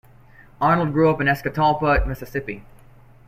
Arnold grew up in Escatawpa, Mississippi.